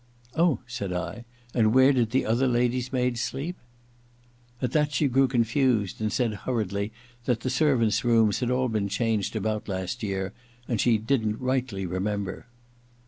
• Oh,' said I ;* and where did the other lady's maid sleep ?' At that she grew confused, and said hurriedly that the servants' rooms had all been changed last year, and she didn't rightly remember.